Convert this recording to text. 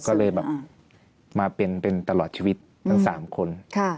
ก็เลยแบบมาเป็นตลอดชีวิตทั้ง๓คน